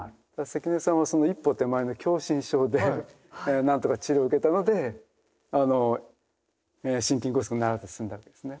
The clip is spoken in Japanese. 関根さんはその一歩手前の狭心症で何とか治療を受けたので心筋梗塞にならずに済んだわけですね。